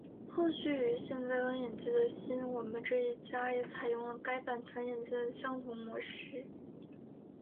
后续于现在刚引进的新我们这一家也采用了该版权引进的相同模式。